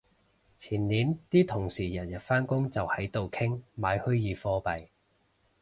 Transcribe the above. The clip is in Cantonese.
前年啲同事日日返工就喺度傾買虛擬貨幣